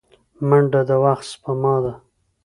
منډه د وخت سپما ده